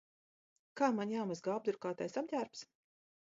Kā man jāmazgā apdrukātais apģērbs?